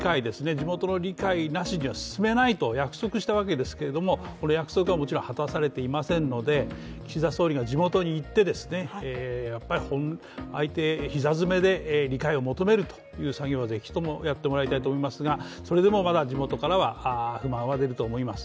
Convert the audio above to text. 地元の理解なしには進めないと約束をしたわけですけどもこの約束は、もちろん果たされていませんので岸田総理が地元に行って、膝詰めで理解を求めるという作業は是非ともやってもらいたいと思いますがそれでもまだ地元からは不満は出ると思います。